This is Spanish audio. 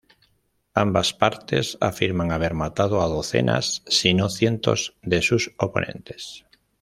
Ambas partes afirman haber matado a docenas, si no cientos, de sus oponentes.